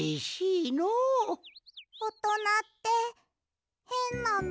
おとなってへんなの。